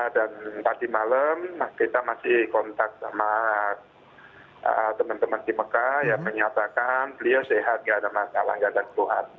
dan tadi malam kita masih kontak sama teman teman di mekah yang menyatakan beliau sehat nggak ada masalah nggak ada keseluruhan